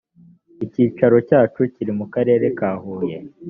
icyicaro cya chu kiri mu karere ka huye